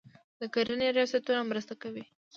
د کرنې ریاستونه مرسته کوي.